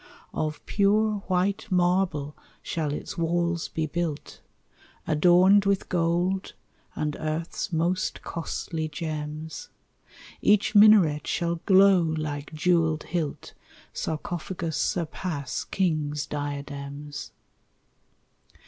"Of pure white marble shall its walls be built, Adorned with gold, and earth's most costly gems; Each minaret shall glow like jewelled hilt, Sarcophagus surpass kings' diadems.